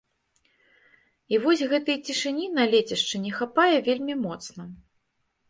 І вось гэтай цішыні на лецішчы не хапае вельмі моцна.